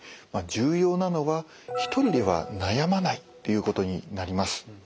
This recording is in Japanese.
重要なのは一人では悩まないということになります。